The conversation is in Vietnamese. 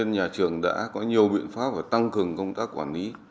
nhà trường đã có nhiều biện pháp và tăng cường công tác quản lý